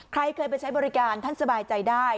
ใครเคยไปใช้บริการท่านสบายใจได้